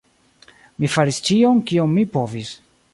Mi faris ĉion, kion mi povis.